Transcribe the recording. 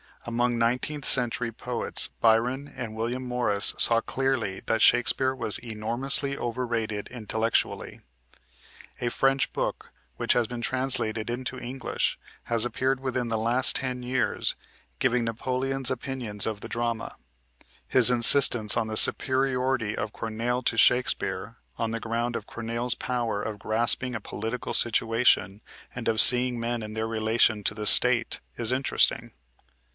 Among nineteenth century poets Byron and William Morris saw clearly that Shakespeare was enormously overrated intellectually. A French book, which has been translated into English, has appeared within the last ten years, giving Napoleon's opinions of the drama. His insistence on the superiority of Corneille to Shakespeare on the ground of Corneille's power of grasping a political situation, and of seeing men in their relation to the state, is interesting.